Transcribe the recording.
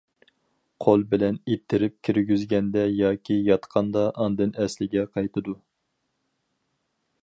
قول بىلەن ئىتتىرىپ كىرگۈزگەندە ياكى ياتقاندا ئاندىن ئەسلىگە قايتىدۇ.